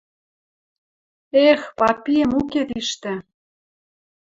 Эх, папиэм уке тиштӹ